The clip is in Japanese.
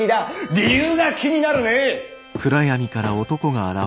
理由が気になるね。